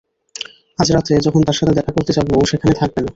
আজ রাতে যখন তার সাথে দেখা করতে যাবো, ও সেখানে থাকবে না।